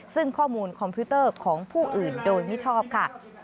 ซึ่งข้อมูลคอมพิวเตอร์ของผู้อื่นโดยมิชอบค่ะ